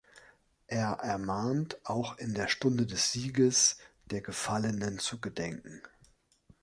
Er ermahnt, auch in der Stunde des Sieges der Gefallenen zu gedenken.